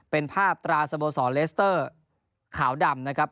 เป็นภาพตราสโมสรเลสเตอร์ขาวดำนะครับ